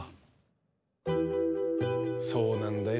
そうなんだよ。